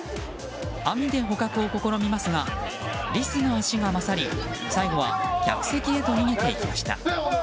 網で捕獲を試みますがリスの足が勝り最後は客席へと逃げていきました。